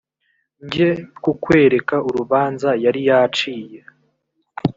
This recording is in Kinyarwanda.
njye kukwereka urubanza yari yaciye‽